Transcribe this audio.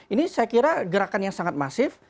ini saya kira gerakan yang sangat masif